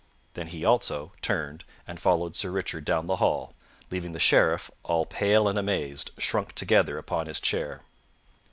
Then he, also, turned and followed Sir Richard down the hall, leaving the Sheriff, all pale and amazed, shrunk together upon his chair.